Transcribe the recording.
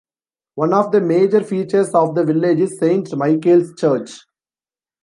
One of the major features of the village is Saint Michael's Church.